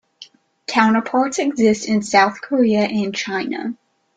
Counterparts exist in South Korea and China.